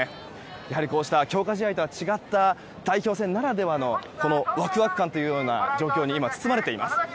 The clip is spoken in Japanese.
やはり強化試合とは違った代表戦ならではのワクワク感という状況に今、包まれています。